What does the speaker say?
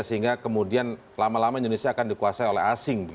sehingga kemudian lama lama indonesia akan dikuasai oleh asing